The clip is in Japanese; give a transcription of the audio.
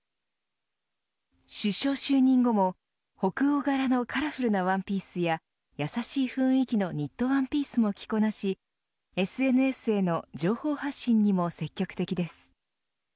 首相就任後も北欧柄のカラフルなワンピースややさしい雰囲気のニットワンピースも着こなしＳＮＳへの情報発信にも積極的です。